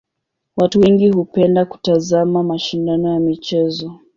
Watu wengi hupenda kutazama mashindano ya michezo.